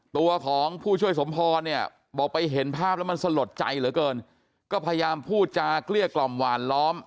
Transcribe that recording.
ตัวของผู้ช่วยสมพรเนี่ยบอกไปเห็นภาพแล้วมันสลดใจเหลือเกินก็พยายามพูดจาเกลี้ยกล่อมหวานล้อม